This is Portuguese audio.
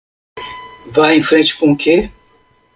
Vá em frente com o que?